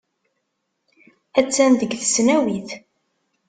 Attan deg tesnawit.